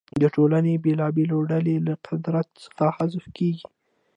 د ټولنې بېلابېلې ډلې له قدرت څخه حذف کیږي.